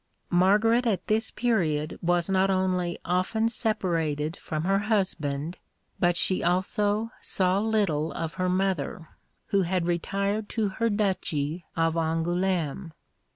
Margaret at this period was not only often separated from her husband, but she also saw little of her mother, who had retired to her duchy of Angoulême.